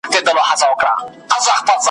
ژوند کلو نه که لحظه ده هم تیر یږ ي